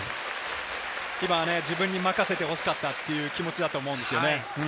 自分に任せてほしかったという気持ちだったと思うんですよね。